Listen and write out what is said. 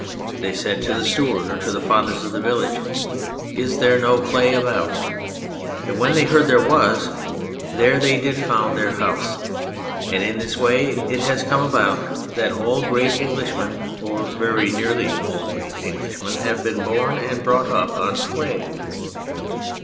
They said to the steward or to the fathers of the village :" Is there no clay about?" And when they heard there was, there did they found their house. And in this way it has come about that all great Englishmen, or very nearly all great Englishmen have been born and brought up on clay.